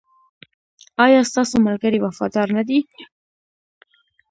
ایا ستاسو ملګري وفادار نه دي؟